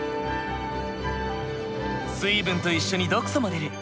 水分と一緒に毒素も出る。